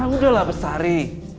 udah lah besari